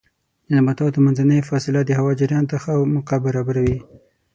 د نباتاتو منځنۍ فاصله د هوا جریان ته ښه موقع برابروي.